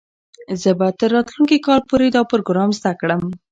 زه به تر راتلونکي کال پورې دا پروګرام زده کړم.